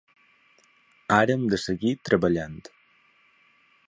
Ara hem de seguir treballant.